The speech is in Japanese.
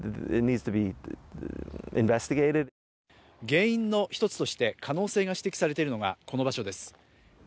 原因の一つとして可能性が指摘されているのがこの場所です